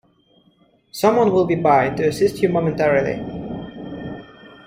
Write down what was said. Someone will be by to assist you momentarily.